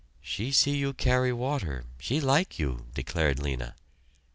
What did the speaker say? "She see you carry water she like you," declared Lena.